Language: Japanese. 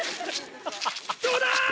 どうだ？